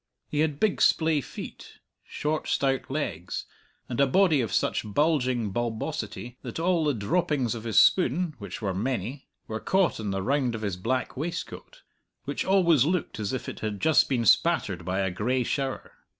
He had big splay feet, short stout legs, and a body of such bulging bulbosity that all the droppings of his spoon which were many were caught on the round of his black waistcoat, which always looked as if it had just been spattered by a gray shower.